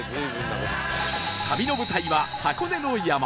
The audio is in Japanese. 旅の舞台は箱根の山